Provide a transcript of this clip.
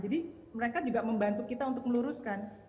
jadi mereka juga membantu kita untuk meluruskan